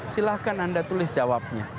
silahkan anda tulis jawabnya